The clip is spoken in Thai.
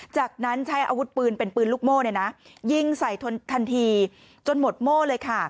จากนั้นใช้อาวุธปืนเป็นปืนลูกโม่ยิงใส่ทันทีจนหมดโม่เลยค่ะ